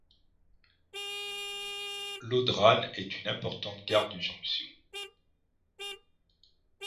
Lodhran est une importante gare de jonction.